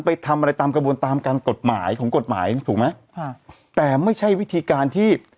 ไปทำอะไรตามกระบวนตามการกฎหมายของกฎหมายถูกไหมค่ะแต่ไม่ใช่วิธีการที่